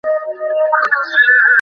অগ্নি তোমাকে আরও কিছু শিক্ষা দিবেন।